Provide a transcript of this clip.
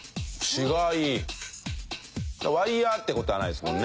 ワイヤーって事はないですもんね。